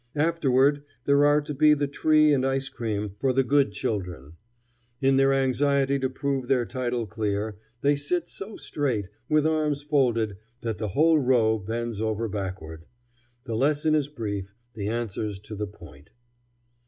Afterward there are to be the tree and ice cream for the good children. In their anxiety to prove their title clear, they sit so straight, with arms folded, that the whole row bends over backward. The lesson is brief, the answers to the point.